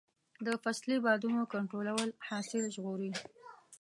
د فصلي بادونو کنټرول حاصل ژغوري.